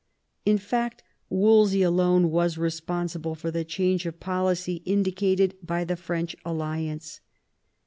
In fact Wolsey alone was responsible for the change of policy indicated by the French alliance.